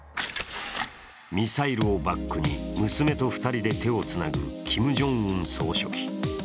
ミサイルをバックに娘と２人で手をつなぐキム・ジョンウン総書記。